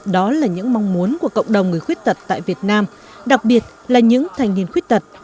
đó là những mong muốn của cộng đồng người khuyết tật tại việt nam đặc biệt là những thanh niên khuyết tật